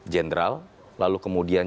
jenderal lalu kemudian